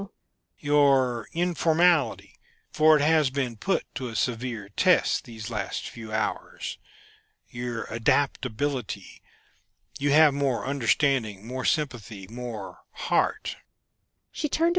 "Your informality for it has been put to a severe test these last few hours, your adaptability, you have more understanding, more sympathy, more heart."